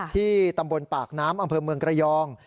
ที่ตำบลปากน้ำอำเภอเมืองระยอง